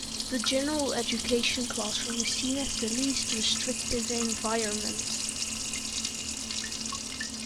The general education classroom is seen as the least restrictive environment.